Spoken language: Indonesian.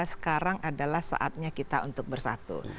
sekarang adalah saatnya kita untuk bersatu